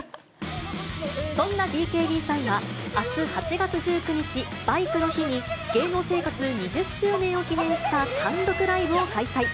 そんなＢＫＢさんが、あす８月１９日、バイクの日に、芸能生活２０周年を記念した単独ライブを開催。